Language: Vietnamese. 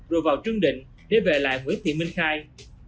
rồi vào trương định để về lại nguyễn thị minh khai